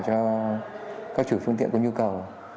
cho các chủ phương tiện có nhu cầu